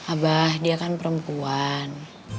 abah dia kan perempuan